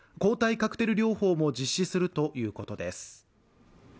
カクテル療法も実施するということです